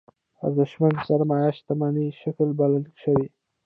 ارزشمنې سرمايې شتمنۍ شکل بللی شو.